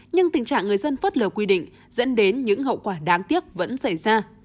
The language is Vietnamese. nhưng tình trạng người dân phớt lờ quy định dẫn đến những hậu quả đáng tiếc vẫn xảy ra